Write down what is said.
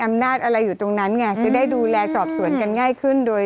อำนาจอะไรอยู่ตรงนั้นไงจะได้ดูแลสอบสวนกันง่ายขึ้นโดย